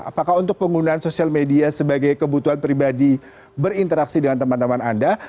apakah untuk penggunaan sosial media sebagai kebutuhan pribadi berinteraksi dengan teman teman anda